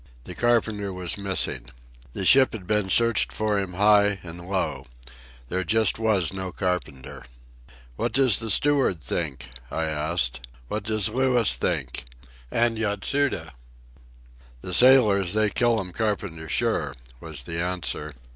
The carpenter was missing. The ship had been searched for him high and low. There just was no carpenter. "What does the steward think?" I asked. "What does Louis think?—and Yatsuda?" "The sailors, they kill 'm carpenter sure," was the answer.